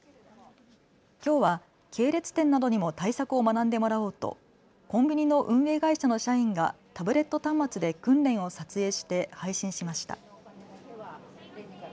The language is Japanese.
きょうは系列店などにも対策を学んでもらおうとコンビニの運営会社の社員がタブレット端末で訓練を撮影して配信しました。